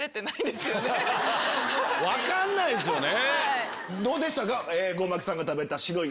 分かんないですよね！